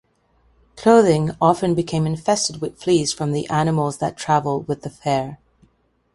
Clothing often became infested with fleas from the animals that travelled with the fair.